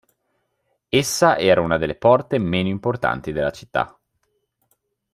Essa era una delle porte meno importanti della città.